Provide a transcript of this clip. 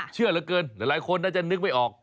เชื่อเหลือเกินหลายคนน่าจะนึกไม่ออก